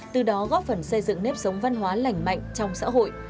từ đó góp phần xây dựng nếp sống văn hóa lành mạnh trong xã hội